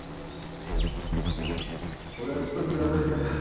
俺はずっと見下されてんだ。